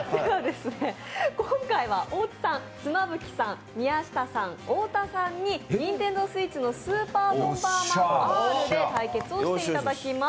今回は大津さん、妻夫木さん宮下さん、太田さんにＮｉｎｔｅｎｄｏＳｗｉｔｃｈの「スーパーボンバーマンＲ」で対決をしていただきます。